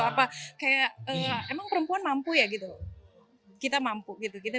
apa kayak emang perempuan mampu ya gitu kita mampu gitu kita